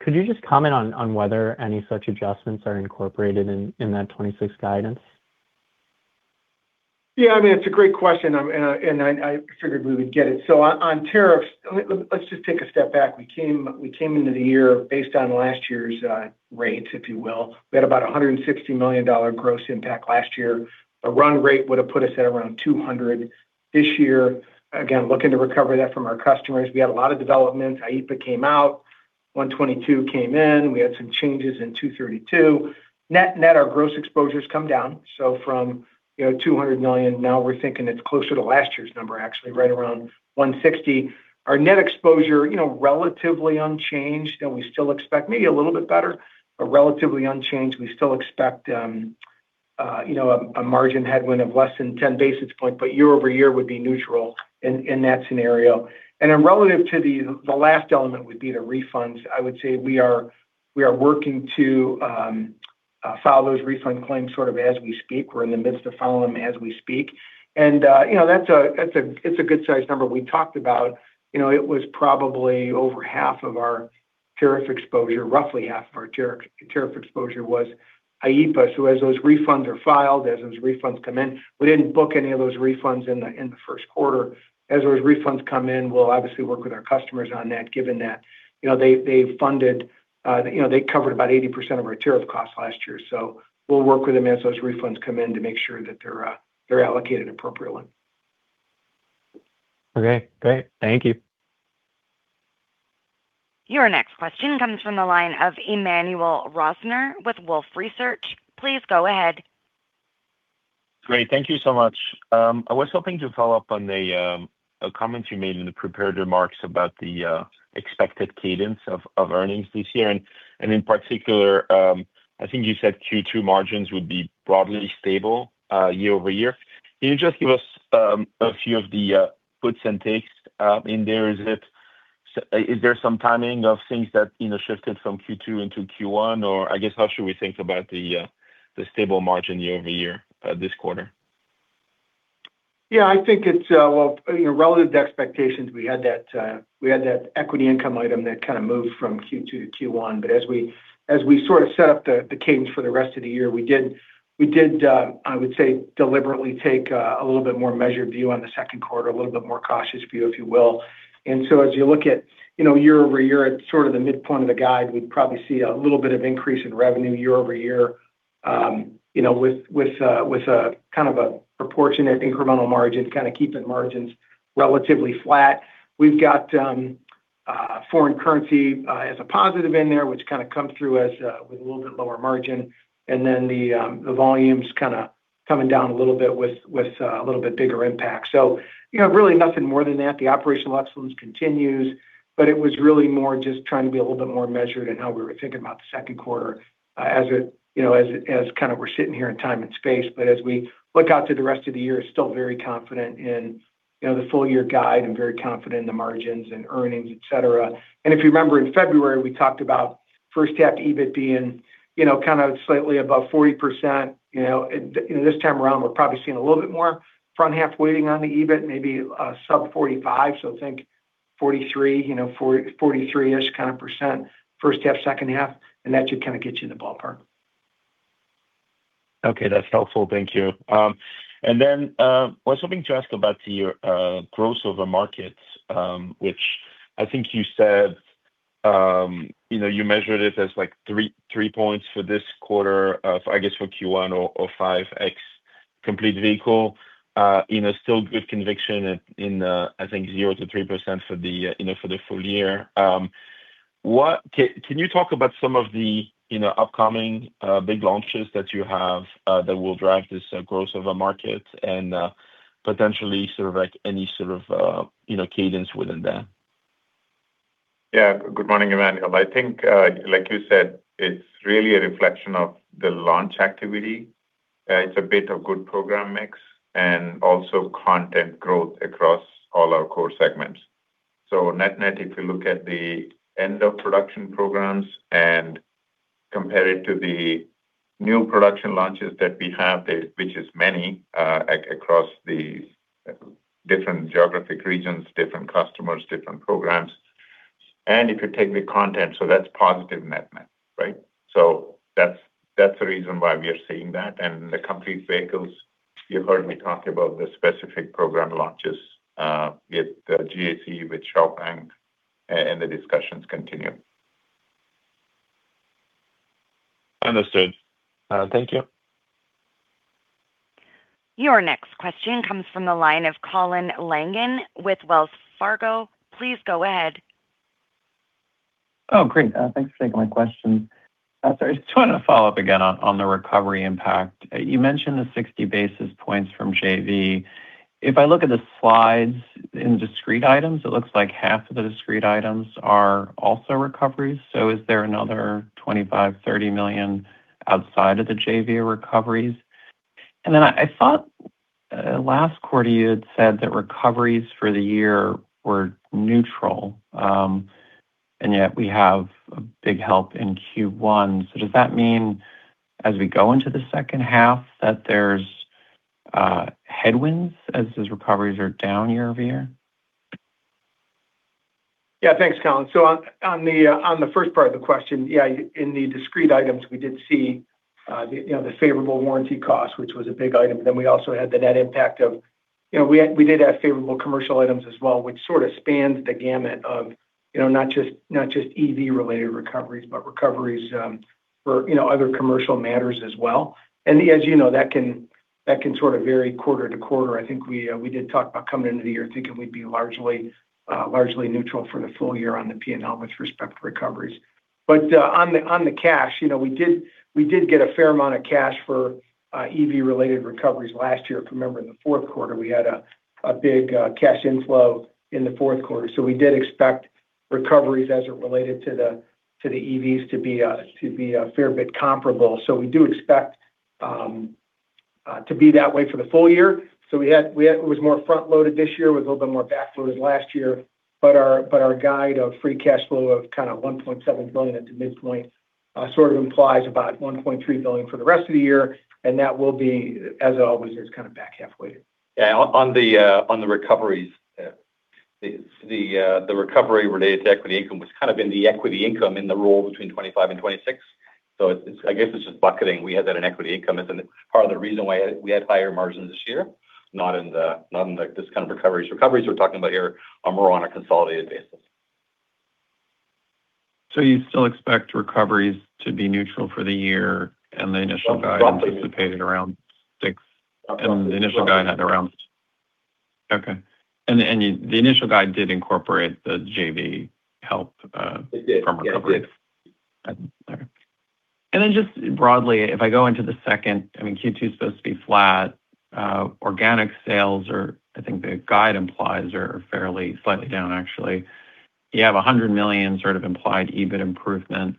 Could you just comment on whether any such adjustments are incorporated in that 2026 guidance? I mean, it's a great question. I figured we would get it. On tariffs, let's just take a step back. We came into the year based on last year's rates, if you will. We had about a $160 million gross impact last year. A run rate would have put us at around $200 million this year. Again, looking to recover that from our customers. We had a lot of developments. IEEPA came out. 122 came in. We had some changes in Section 232. Net, net, our gross exposure's come down. From, you know, $200 million, now we're thinking it's closer to last year's number actually, right around $160 million. Our net exposure, you know, relatively unchanged, we still expect maybe a little bit better, but relatively unchanged. We still expect, you know, a margin headwind of less than 10 basis points, year-over-year would be neutral in that scenario. Relative to the last element would be the refunds. I would say we are working to file those refund claims sort of as we speak. We're in the midst of filing them as we speak. You know, that's a good size number. We talked about, you know, it was probably over half of our tariff exposure, roughly half of our tariff exposure was IEEPA. As those refunds are filed, as those refunds come in, we didn't book any of those refunds in the Q1. As those refunds come in, we'll obviously work with our customers on that, given that, you know, they funded, you know, they covered about 80% of our tariff costs last year. We'll work with them as those refunds come in to make sure that they're allocated appropriately. Okay, great. Thank you. Your next question comes from the line of Emmanuel Rosner with Wolfe Research. Please go ahead. Great. Thank you so much. I was hoping to follow up on a comment you made in the prepared remarks about the expected cadence of earnings this year. In particular, I think you said Q2 margins would be broadly stable year-over-year. Can you just give us a few of the puts and takes in there? Is there some timing of things that, you know, shifted from Q2 into Q1, or I guess, how should we think about the stable margin year-over-year this quarter? Yeah, I think it's, well, you know, relative to expectations, we had that, we had that equity income item that kind of moved from Q2 to Q1. As we sort of set up the cadence for the rest of the year, we did, I would say, deliberately take a little bit more measured view on the Q2, a little bit more cautious view, if you will. As you look at, you know, year-over-year at sort of the midpoint of the guide, we'd probably see a little bit of increase in revenue year-over-year. You know, with, kind of a proportionate incremental margin, kind of keeping margins relatively flat. We've got foreign currency as a positive in there, which kind of comes through as with a little bit lower margin. The volumes kind of coming down a little bit with a little bit bigger impact. You know, really nothing more than that. The operational excellence continues, but it was really more just trying to be a little bit more measured in how we were thinking about the Q2 as it, you know, as kind of we're sitting here in time and space. As we look out to the rest of the year, still very confident in, you know, the full year guide and very confident in the margins and earnings, et cetera. If you remember in February, we talked about H2 EBIT being, you know, kind of slightly above 40%. You know, this time around, we're probably seeing a little bit more H1 weighting on the EBIT, maybe, sub 45%. Think 43%, you know, 43-ish% H1, H2, and that should kind of get you in the ballpark. Okay, that's helpful. Thank you. I was hoping to ask about your growth over markets. You know, you measured it as like 3 points for this quarter of, I guess, for Q1 or 5x Complete Vehicles. You know, still good conviction at, in the, I think 0%-3% for the, you know, for the full year. Can you talk about some of the, you know, upcoming big launches that you have that will drive this growth of a market and potentially sort of like any sort of, you know, cadence within that? Yeah. Good morning, Emmanuel. I think, like you said, it's really a reflection of the launch activity. It's a bit of good program mix and also content growth across all our core segments. Net-net, if you look at the end of production programs and compare it to the new production launches that we have, which is many, across the different geographic regions, different customers, different programs. If you take the content, that's positive net-net, right? That's the reason why we are seeing that. The Complete Vehicles, you heard me talk about the specific program launches, with the GAC, with Changan, and the discussions continue. Understood. Thank you. Your next question comes from the line of Colin Langan with Wells Fargo. Please go ahead. Oh, great. Thanks for taking my question. I just want to follow up again on the recovery impact. You mentioned the 60 basis points from JV. If I look at the slides in discrete items, it looks like half of the discrete items are also recoveries. Is there another $25 million-$30 million outside of the JV recoveries? I thought last quarter you had said that recoveries for the year were neutral, and yet we have a big help in Q1. Does that mean as we go into the H2 that there's headwinds as those recoveries are down year-over-year? Yeah, thanks, Colin. On the first part of the question, yeah, in the discrete items, we did see, you know, the favorable warranty cost, which was a big item. We also had the net impact of, you know, we did have favorable commercial items as well, which sort of spans the gamut of, you know, not just EV related recoveries, but recoveries for, you know, other commercial matters as well. As you know, that can sort of vary quarter-to-quarter. I think we did talk about coming into the year thinking we'd be largely neutral for the full year on the P&L with respect to recoveries. On the cash, you know, we did, we did get a fair amount of cash for EV related recoveries last year. If you remember in the Q4, we had a big cash inflow in the Q4. We did expect recoveries as it related to the EVs to be a fair bit comparable. We do expect to be that way for the full year. We had it was more front-loaded this year. It was a little bit more backloaded last year. Our guide of free cash flow of 1.7 billion at the midpoint implies about 1.3 billion for the rest of the year, and that will be, as always, back halfway. On the recoveries, the recovery related to equity income was kind of in the equity income in the roll between 2025 and 2026. It's, I guess, it's just bucketing. We had that in equity income is in part of the reason why we had higher margins this year, not in this kind of recoveries. Recoveries we're talking about here are more on a consolidated basis. You still expect recoveries to be neutral for the year. The initial guide did incorporate the JV help- It did. Yeah. -from recovery. It did. Okay. Just broadly, if I go into the second, I mean, Q2 is supposed to be flat. Organic sales or I think the guide implies are fairly slightly down actually. You have $100 million sort of implied EBIT improvement.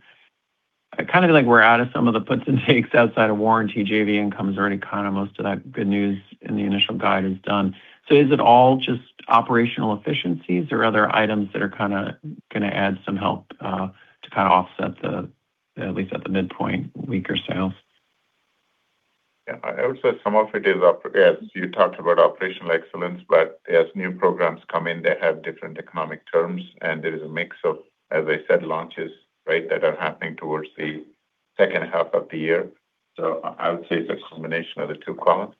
I kind of feel like we're out of some of the puts and takes outside of warranty. JV incomes are any kind of most of that good news in the initial guide is done. Is it all just operational efficiencies or other items that are kind of gonna add some help to kind of offset the, at least at the midpoint, weaker sales? Yeah. I would say some of it is as you talked about operational excellence. As new programs come in, they have different economic terms. There is a mix of, as I said, launches, right, that are happening towards the H2 of the year. I would say it's a combination of the two columns.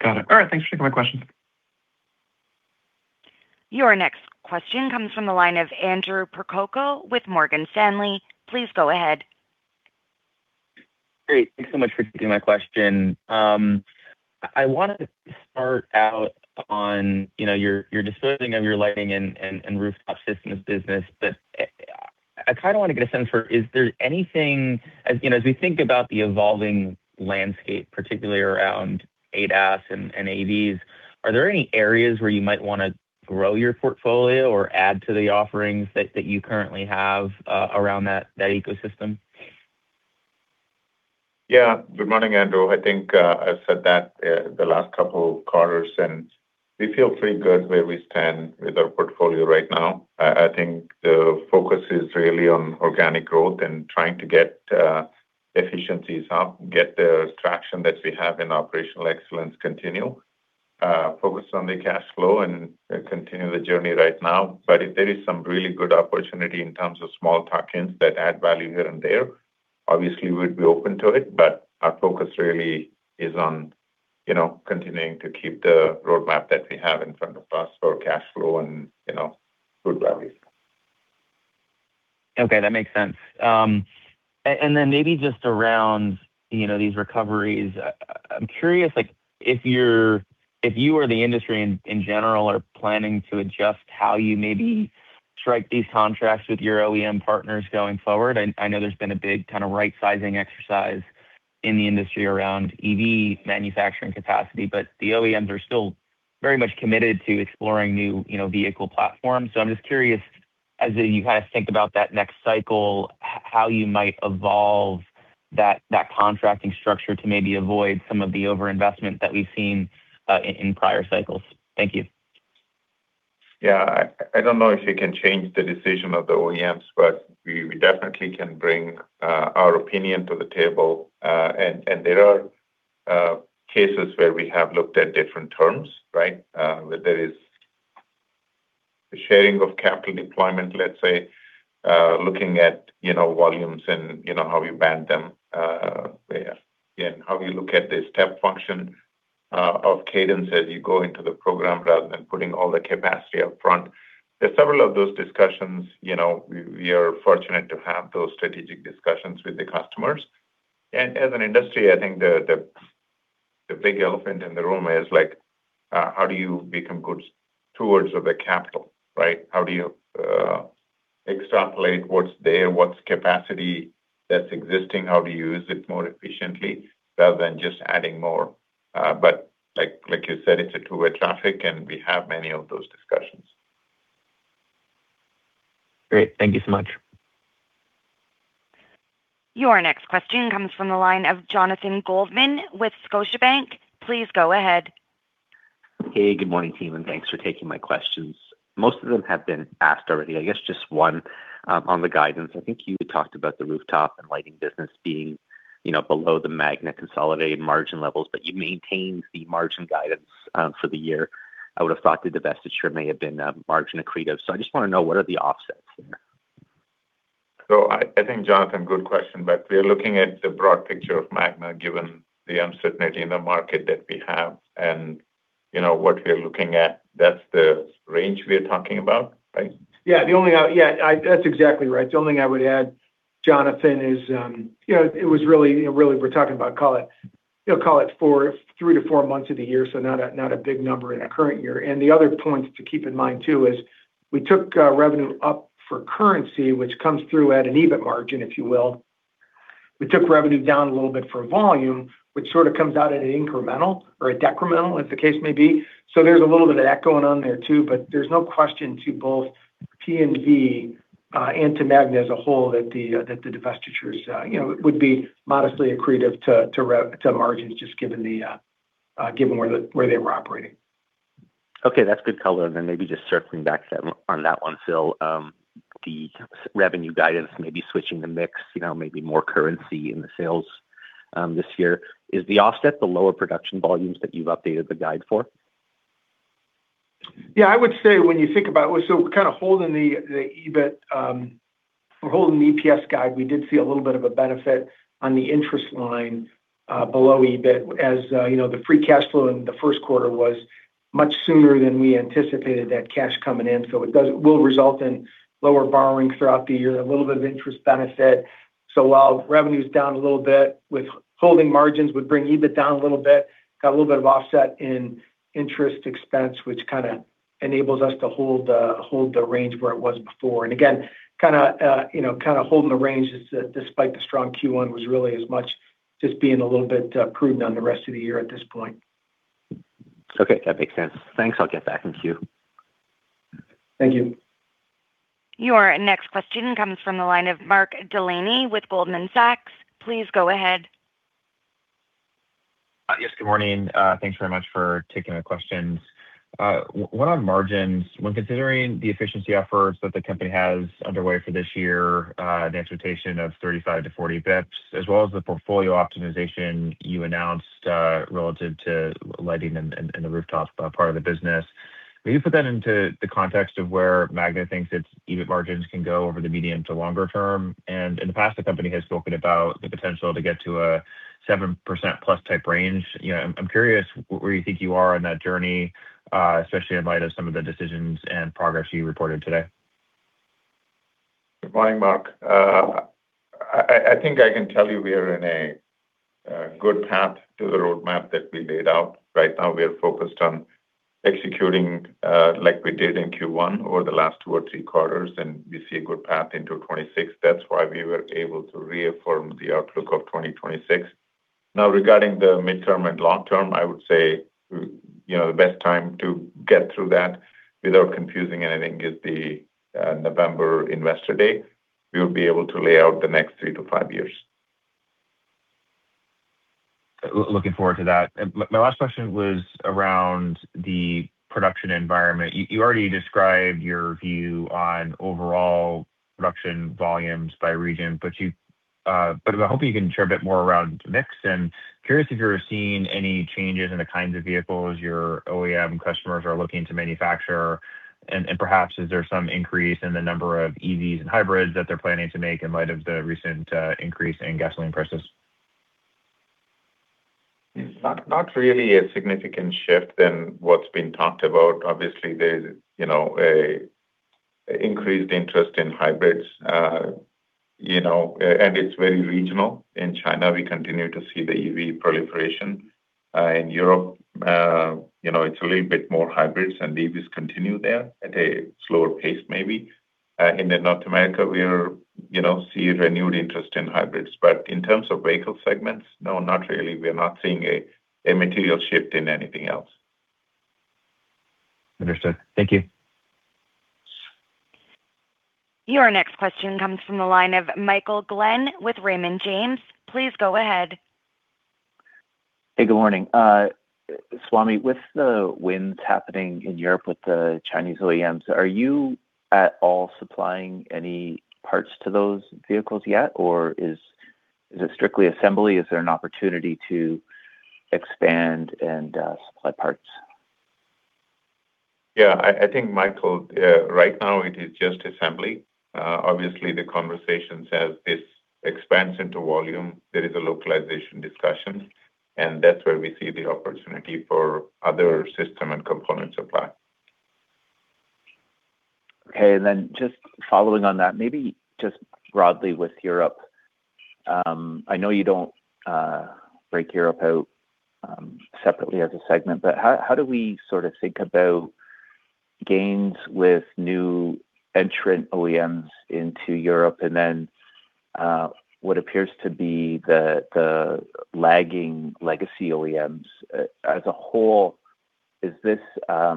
Got it. All right. Thanks for taking my question. Your next question comes from the line of Andrew Percoco with Morgan Stanley. Please go ahead. Great. Thanks so much for taking my question. I wanted to start out on, you know, your disposing of your lighting and rooftop systems business. I kind of wanna get a sense for, as, you know, as we think about the evolving landscape, particularly around ADAS and AVs, are there any areas where you might wanna grow your portfolio or add to the offerings that you currently have around that ecosystem? Yeah. Good morning, Andrew. I think I said that the last couple of quarters, we feel pretty good where we stand with our portfolio right now. I think the focus is really on organic growth trying to get efficiencies up, get the traction that we have in operational excellence continue, focus on the cash flow, continue the journey right now. If there is some really good opportunity in terms of small tuck-ins that add value here and there. Obviously, we'd be open to it, but our focus really is on, you know, continuing to keep the roadmap that we have in front of us for cash flow and, you know, good value. Okay, that makes sense. Maybe just around, you know, these recoveries. I'm curious, like if you or the industry in general are planning to adjust how you maybe strike these contracts with your OEM partners going forward. I know there's been a big kind of right-sizing exercise in the industry around EV manufacturing capacity, but the OEMs are still very much committed to exploring new, you know, vehicle platforms. I'm just curious, as you kind of think about that next cycle, how you might evolve that contracting structure to maybe avoid some of the overinvestment that we've seen in prior cycles. Thank you. I don't know if we can change the decision of the OEMs, but we definitely can bring our opinion to the table. And there are cases where we have looked at different terms, right? Whether it is sharing of capital deployment, let's say, looking at, you know, volumes and, you know, how we band them, and how we look at the step function of cadence as you go into the program, rather than putting all the capacity up front. There are several of those discussions, you know. We are fortunate to have those strategic discussions with the customers. As an industry, I think the big elephant in the room is, like, how do you become good stewards of the capital, right? How do you extrapolate what's there, what's capacity that's existing? How to use it more efficiently, rather than just adding more. Like you said, it's a two-way traffic, and we have many of those discussions. Great. Thank you so much. Your next question comes from the line of Jonathan Goldman with Scotiabank. Please go ahead. Hey, good morning, team, and thanks for taking my questions. Most of them have been asked already. I guess just one on the guidance. I think you talked about the rooftop and lighting business being, you know, below the Magna consolidated margin levels, but you maintained the margin guidance for the year. I would have thought the divestiture may have been margin accretive. I just wanna know, what are the offsets there? I think, Jonathan, good question, but we're looking at the broad picture of Magna, given the uncertainty in the market that we have and, you know, what we're looking at. That's the range we're talking about, right? Yeah, that's exactly right. The only thing I would add, Jonathan, is, you know, it was really, you know, really we're talking about, call it, you know, call it 3 months-4 months of the year, so not a big number in the current year. The other point to keep in mind too is we took revenue up for currency, which comes through at an EBIT margin, if you will. We took revenue down a little bit for volume, which sort of comes out at an incremental or a decremental, as the case may be. There's a little bit of that going on there, too, but there's no question to both P&V and to Magna as a whole, that the divestitures, you know, would be modestly accretive to margins, just given where they were operating. Okay, that's good color. Maybe just circling back on that one, Phil. The revenue guidance may be switching the mix, you know, maybe more currency in the sales this year. Is the offset the lower production volumes that you've updated the guide for? I would say when you think about- we're kind of holding the EBIT. We're holding the EPS guide. We did see a little bit of a benefit on the interest line below EBIT, as, you know, the free cash flow in the Q1 was much sooner than we anticipated that cash coming in, it will result in lower borrowing throughout the year, a little bit of interest benefit. While revenue's down a little bit, with holding margins would bring EBIT down a little bit, got a little bit of offset in interest expense, which kind of enables us to hold the range where it was before. Again, kind of, you know, kind of holding the ranges, despite the strong Q1 was really as much just being a little bit prudent on the rest of the year at this point. Okay, that makes sense. Thanks. I'll get back in queue. Thank you. Your next question comes from the line of Mark Delaney with Goldman Sachs. Please go ahead. Yes, good morning. Thanks very much for taking the questions. One on margins. When considering the efficiency efforts that the company has underway for this year, an expectation of 35 basis points-40 basis points, as well as the portfolio optimization you announced, relative to lighting and the rooftop part of the business, will you put that into the context of where Magna thinks its EBIT margins can go over the medium to longer term? In the past, the company has spoken about the potential to get to a 7%+ type range. You know, I'm curious where you think you are on that journey, especially in light of some of the decisions and progress you reported today. Good morning, Mark. I think I can tell you we are in a good path to the roadmap that we laid out. Right now, we are focused on executing, like we did in Q1 or the last 2 or 3 quarters, and we see a good path into 2026. That's why we were able to reaffirm the outlook of 2026. Now regarding the midterm and long term, I would say, you know, the best time to get through that without confusing anything is the November Investor Day. We will be able to lay out the next 3 years-5 years. Looking forward to that. My last question was around the production environment. You already described your view on overall production volumes by region, but I hope you can share a bit more around mix. Curious if you're seeing any changes in the kinds of vehicles your OEM customers are looking to manufacture. Perhaps is there some increase in the number of EVs and hybrids that they're planning to make in light of the recent increase in gasoline prices? It's not really a significant shift in what's been talked about. Obviously, there's, you know, a increased interest in hybrids, you know. It's very regional. In China, we continue to see the EV proliferation. In Europe, you know, it's a little bit more hybrids, and EVs continue there at a slower pace maybe. In North America, we're, you know, see renewed interest in hybrids. In terms of vehicle segments, no, not really. We're not seeing a material shift in anything else. Understood. Thank you. Your next question comes from the line of Michael Glen with Raymond James. Please go ahead. Hey, good morning. Swamy, with the winds happening in Europe with the Chinese OEMs, are you at all supplying any parts to those vehicles yet, or is it strictly assembly? Is there an opportunity to expand and supply parts? Yeah. I think, Michael, right now it is just assembly. Obviously the conversation says this expands into volume. There is a localization discussion, That's where we see the opportunity for other system and component supply. Okay. Just following on that, maybe just broadly with Europe, I know you don't break Europe out separately as a segment. How do we sort of think about gains with new entrant OEMs into Europe and then what appears to be the lagging legacy OEMs as a whole? Is this a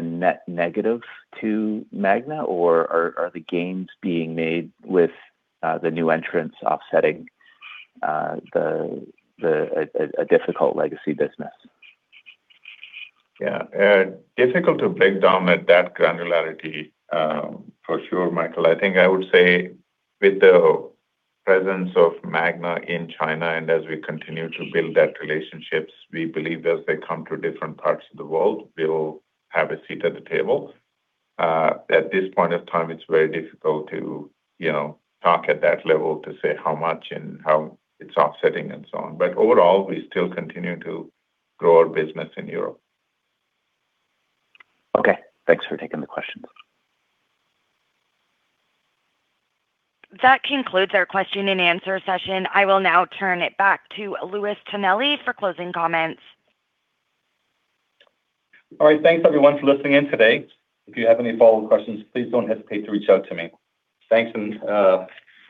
net negative to Magna or are the gains being made with the new entrants offsetting the difficult legacy business? Yeah. Difficult to break down at that granularity, for sure, Michael Glen. I think I would say with the presence of Magna in China and as we continue to build that relationships, we believe as they come to different parts of the world, we'll have a seat at the table. At this point of time it's very difficult to, you know, talk at that level to say how much and how it's offsetting and so on. Overall, we still continue to grow our business in Europe. Okay. Thanks for taking the questions. That concludes our question and answer session. I will now turn it back to Louis Tonelli for closing comments. All right. Thanks everyone for listening in today. If you have any follow-up questions, please don't hesitate to reach out to me. Thanks, and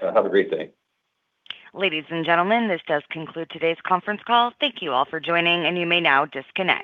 have a great day. Ladies and gentlemen, this does conclude today's conference call. Thank you all for joining. You may now disconnect.